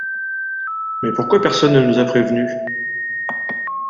Mais pourquoi personne ne nous a prévenus?